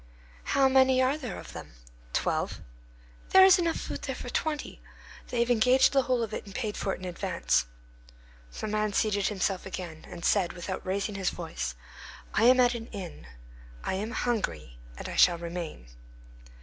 "How many are there of them?" "Twelve." "There is enough food there for twenty." "They have engaged the whole of it and paid for it in advance." The man seated himself again, and said, without raising his voice, "I am at an inn; I am hungry, and I shall remain."